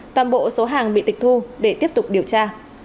toàn bộ số hàng bị tịch thu để tiếp tục điều tra